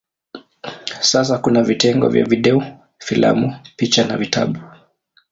Sasa kuna vitengo vya video, filamu, picha na vitabu.